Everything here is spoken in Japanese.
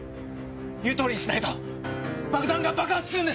言う通りにしないと爆弾が爆発するんです！